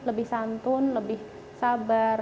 lebih santun lebih sabar